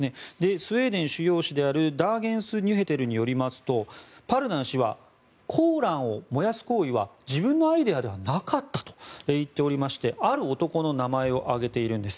スウェーデン主要紙であるダーゲンス・ニュヘテルによりますとパルダン氏はコーランを燃やす行為は自分のアイデアではなかったと言っておりましてある男の名前を挙げているんです。